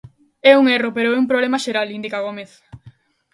É un erro pero é un problema xeral, indica Gómez.